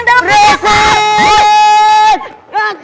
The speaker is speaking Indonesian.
jangan seseorang sedang dalam perjalanan penting